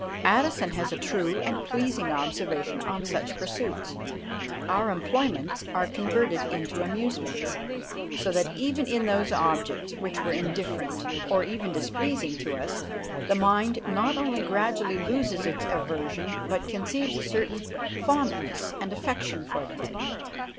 Addison has a true and pleasing observation on such pursuits. "Our employments are converted into amusements, so that even in those objects which were indifferent, or even displeasing to us, the mind not only gradually loses its aversion, but conceives a certain fondness and affection for them."